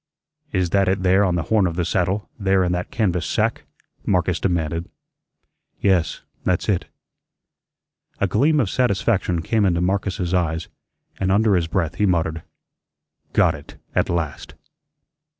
"Is that it there on the horn of the saddle, there in that canvas sack?" Marcus demanded. "Yes, that's it." A gleam of satisfaction came into Marcus's eyes, and under his breath he muttered: "Got it at last."